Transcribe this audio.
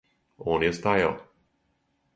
Он је стајао.